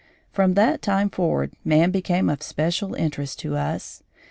From that time forward man became of special interest to us.